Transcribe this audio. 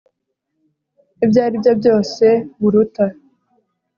Ibyo ari byo byose buruta